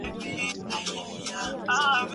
Njia zake si kama zetu.